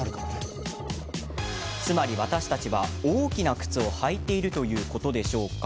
つまり、私たちは大きな靴を履いているということでしょうか？